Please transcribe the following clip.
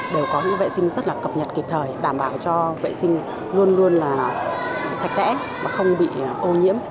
đều có những vệ sinh rất là cập nhật kịp thời đảm bảo cho vệ sinh luôn luôn là sạch sẽ không bị ô nhiễm